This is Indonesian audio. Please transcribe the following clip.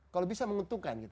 kalau bisa menguntungkan gitu